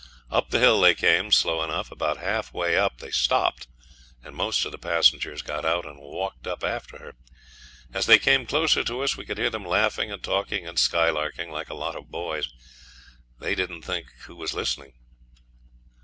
Up the hill they came slow enough. About half way up they stopped, and most of the passengers got out and walked up after her. As they came closer to us we could hear them laughing and talking and skylarking, like a lot of boys. They didn't think who was listening.